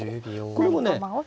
これもね